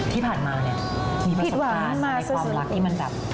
ที่ผ่านมามีประสบความรักในความรักที่มันแบบ